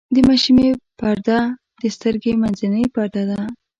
د مشیمیې پرده د سترګې منځنۍ پرده ده.